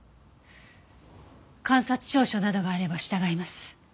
監察聴取などがあれば従います。